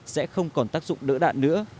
sẽ không còn tác dụng nỡ đạn nữa